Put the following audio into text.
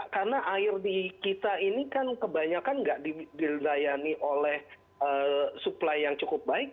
karena air di kita ini kan kebanyakan tidak didayani oleh suplai yang cukup baik